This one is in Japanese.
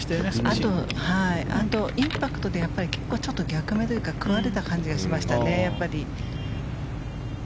あと、インパクトで逆目というか食われた感じがしましたよね。